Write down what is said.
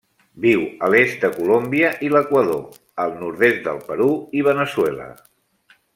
Viu a l'est de Colòmbia i l'Equador, el nord-est del Perú i Veneçuela.